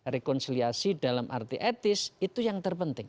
rekonsiliasi dalam arti etis itu yang terpenting